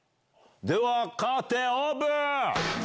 ではカーテンオープン！